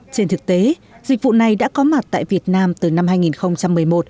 trên thực tế dịch vụ này đã có mặt tại việt nam từ năm hai nghìn một mươi một